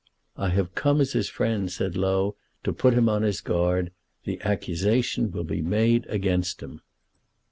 "I have come as his friend," said Low, "to put him on his guard. The accusation will be made against him."